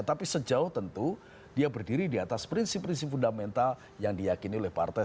tapi sejauh tentu dia berdiri di atas prinsip prinsip fundamental yang diyakini oleh partai